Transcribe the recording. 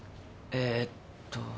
えっと。